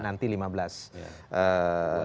saya kalau melihat beberapa hasil survei ini